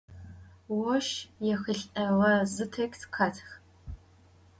Voş yêhılh'ağe zı têkst khetx.